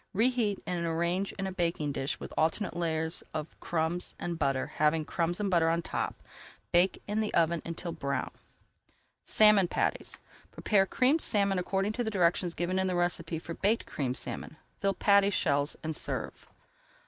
Reheat and arrange in a baking dish with alternate layers of crumbs and butter, having crumbs and butter on top. Bake in the oven until brown. SALMON PATTIES Prepare Creamed Salmon according to directions given in the recipe for Baked Creamed Salmon. Fill patty shells and serve.